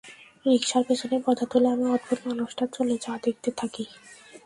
রিকশার পেছনের পর্দা তুলে আমি অদ্ভুত মানুষটার চলে যাওয়া দেখতে থাকি।